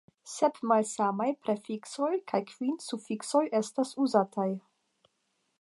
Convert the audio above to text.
Sep malsamaj prefiksoj kaj kvin sufiksoj estas uzataj.